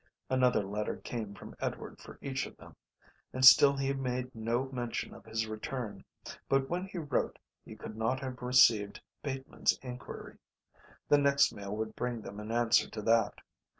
Another letter came from Edward for each of them, and still he made no mention of his return; but when he wrote he could not have received Bateman's enquiry. The next mail would bring them an answer to that.